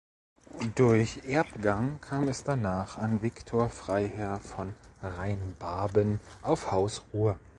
Durch Erbgang kam es danach an Viktor Freiherr von Rheinbaben auf Haus Ruhr.